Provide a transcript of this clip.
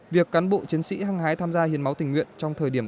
việc cán bộ chiến sĩ hăng hái tham gia hiến máu tình nguyện trong thời điểm